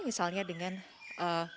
misalnya dengan berkumpul